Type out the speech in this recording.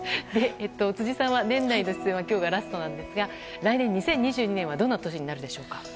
辻さんは年内の出演は今日がラストですが来年２０２２年はどんな年になると思いますか？